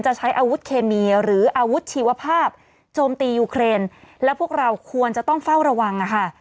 ใช้อาวุธเคมีหรืออาวุธชีวภาพโจมตียูเครนและพวกเราควรจะต้องเฝ้าระวังนะคะ